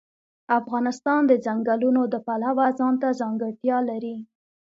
افغانستان د ځنګلونو د پلوه ځانته ځانګړتیا لري.